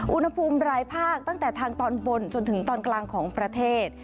อุณหภูมิรายภาคตั้งแต่ทางตอนบนจนถึงตอนกลางของประเทศ